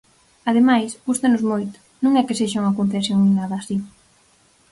Ademais, gústanos moito, non é que sexa unha concesión nin nada así.